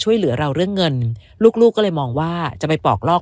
ช่วยเหลือเราเรื่องเงินลูกลูกก็เลยมองว่าจะไปปอกลอก